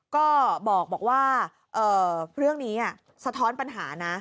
ก็บอกว่าเรื่องนี้สะท้อนปัญหานะ